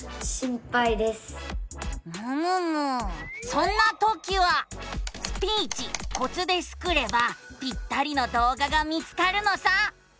そんなときは「スピーチコツ」でスクればぴったりの動画が見つかるのさ。